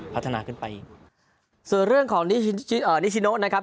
พัฒนาขึ้นไปอีกส่วนเรื่องของนิชิโนนะครับ